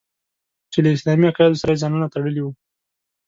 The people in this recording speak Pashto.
چې له اسلامي عقایدو سره یې ځانونه تړلي وو.